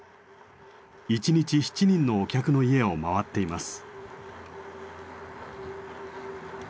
一日７人のお客の家を回っています。